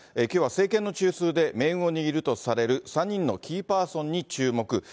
きょうは政権の中枢で命運を握るとされる３人のキーパーソンに注目。